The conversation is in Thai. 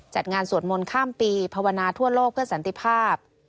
จัดงานสวดมนต์ข้ามปีภาวนาทั่วโลกเพื่อสันติภาพ